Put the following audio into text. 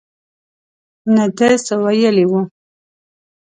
نه ده څه ویلي وو.